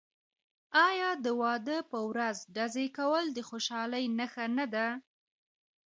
آیا د واده په ورځ ډزې کول د خوشحالۍ نښه نه ده؟